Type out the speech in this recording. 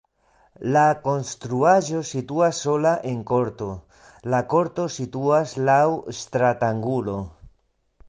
La konstruaĵo situas sola en korto, la korto situas laŭ stratangulo.